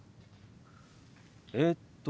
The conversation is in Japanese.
えっと。